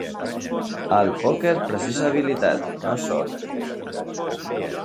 El pòquer precisa habilitat, no sort.